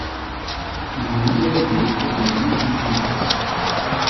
Die Familie lebte in Ried im Innkreis.